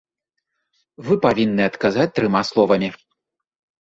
Вы павінны адказаць трыма словамі.